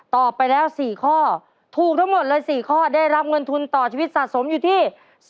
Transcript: ไปแล้ว๔ข้อถูกทั้งหมดเลย๔ข้อได้รับเงินทุนต่อชีวิตสะสมอยู่ที่